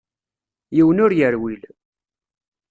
Yiwen ur yerwil.